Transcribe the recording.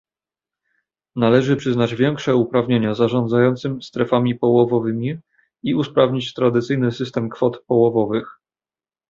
Należy przyznać większe uprawnienia zarządzającym strefami połowowymi i usprawnić tradycyjny system kwot połowowych